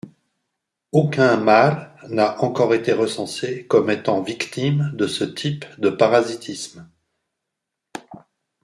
Aucun mâle n'a encore été recensé comme étant victime de ce type de parasitisme.